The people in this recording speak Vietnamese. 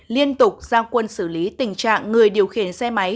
liên tục giao quân xử lý tình trạng người điều khiển xe máy